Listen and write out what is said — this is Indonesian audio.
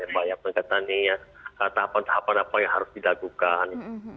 peningkatan tahapan tahapan apa yang harus dilakukan